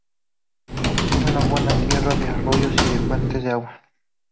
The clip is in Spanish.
Es una buena tierra de arroyos y de fuentes de agua.